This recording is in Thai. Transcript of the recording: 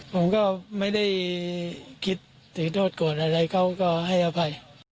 ผมก็ไม่ได้คิดถึงโทษโกรธอะไรเขาก็ให้อภัย